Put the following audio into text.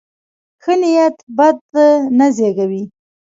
ښه نیت بد نه زېږوي.